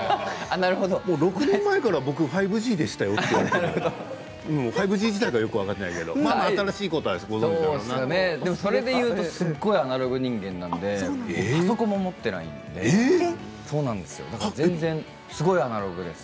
６年前から僕は５Ｇでしたよって５Ｇ自体がよく分かっていないけどそれでいうとすごくアナログ人間なのでパソコンも持っていないので全然、すごくアナログです。